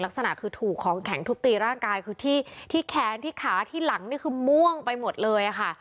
ลักษณะคือถูกของแข็งทุบตีร่างกายคือที่แขนที่ขาที่หลังนี่คือม่วงไปหมดเลยค่ะ